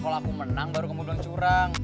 kalau aku menang baru kamu bilang curang